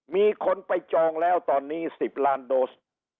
มีคนไปจองแล้วตอนนี้๑๐ล้านโดส